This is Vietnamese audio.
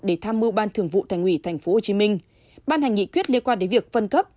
để tham mưu ban thường vụ thành ủy tp hcm ban hành nghị quyết liên quan đến việc phân cấp